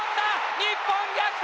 日本逆転。